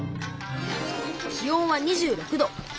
気温は２６度。